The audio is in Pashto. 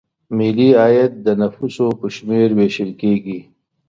ملي عاید د نفوسو په شمېر ویشل کیږي.